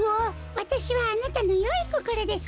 わたしはあなたのよいこころです。